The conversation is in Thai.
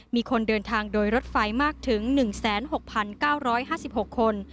มีคนเดินทางโดยรถไฟมากถึง๑๖๙๕๖คน